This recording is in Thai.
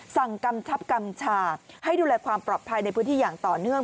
กำชับกำชาให้ดูแลความปลอดภัยในพื้นที่อย่างต่อเนื่อง